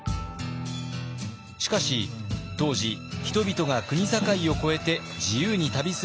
しかし当時人々が国境を越えて自由に旅することは原則禁止。